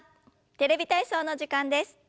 「テレビ体操」の時間です。